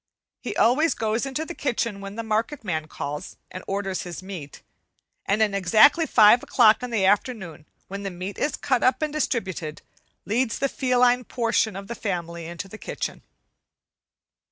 He always goes into the kitchen when the market man calls, and orders his meat; and at exactly five o'clock in the afternoon, when the meat is cut up and distributed, leads the feline portion of the family into the kitchen.